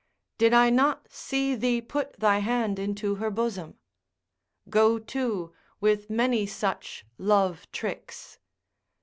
Did not I see thee put thy hand into her bosom? go to, with many such love tricks.